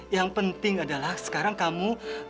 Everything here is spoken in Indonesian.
yang penting adalah sekarang kamu